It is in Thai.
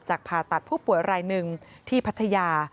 ผ่าตัดผู้ป่วยรายหนึ่งที่พัทยา